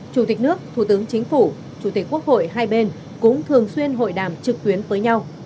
chủ tịch nước thủ tướng chính phủ chủ tịch quốc hội hai bên cũng thường xuyên hội đàm trực tuyến với nhau